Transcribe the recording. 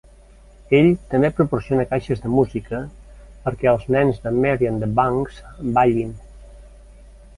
Ell també proporciona caixes de música per que els nens de Mary and the Banks ballin.